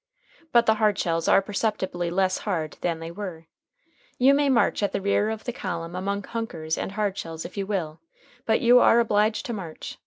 But the Hardshells are perceptibly less hard than they were. You may march at the rear of the column among Hunkers and Hardshells if you will, but you are obliged to march.